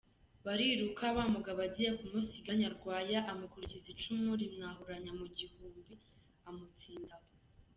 Bariruka wa mugabo agiye kumusiga Nyarwaya amukurikiza icumu rimwahuranya mu gihumbi amutsinda aho.